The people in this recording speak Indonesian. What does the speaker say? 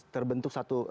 terbentuk satu ekosistem